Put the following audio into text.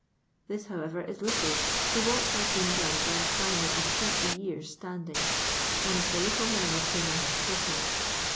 This, however, is little to what has been done by a climber of 30 yean* standing, one of the little men of whom I have spoken.